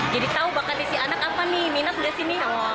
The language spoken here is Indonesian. jadi tau bakatnya si anak apa nih minat gak sih nih